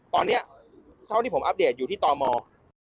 ตอนนี้เท่าที่ผมอัปเดตอยู่ที่ตม